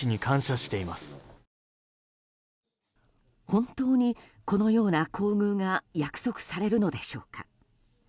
本当に、このような厚遇が約束されるのでしょうか。